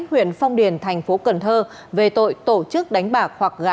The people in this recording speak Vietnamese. huyện phong điền thành phố cần thơ về tội tổ chức đánh bạc hoặc gã bạc